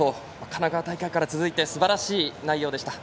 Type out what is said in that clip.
神奈川大会から続いてすばらしい内容でした。